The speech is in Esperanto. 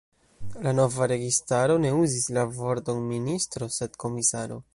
La nova registaro ne uzis la vorton „ministro”, sed komisaro.